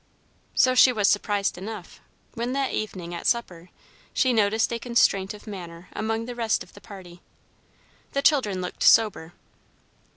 So she was surprised enough, when that evening, at supper, she noticed a constraint of manner among the rest of the party. The children looked sober.